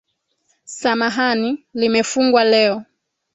Samahani, limefungwa leo.